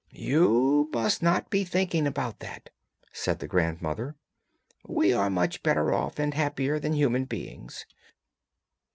'You must not be thinking about that,' said the grandmother; 'we are much better off and happier than human beings.'